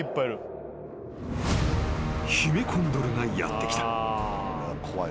［ヒメコンドルがやって来た］